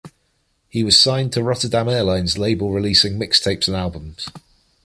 He was signed to Rotterdam Airlines label releasing mixtapes and albums.